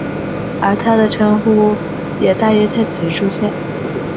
而的称呼也大约在此时出现。